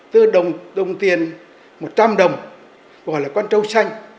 từ đồng tiền một trăm linh đồng gọi là con châu xanh